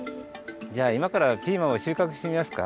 じゃあいまからピーマンをしゅうかくしてみますか？